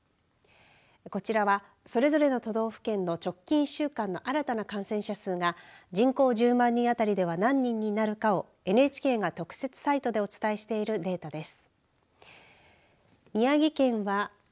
こちらは、それぞれの都道府県の直近１週間の新たな感染者数が人口１０万人当たりでは、何人になるかをＮＨＫが特設サイトでお伝えしているデータです。